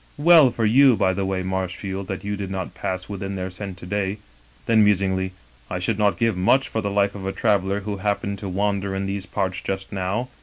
Well for you, by the way, Marshiield, that you did not pass within their scent to day.' Then, musingly: 'I should not give much for the life of a traveler who happened to wander in these parts just now.'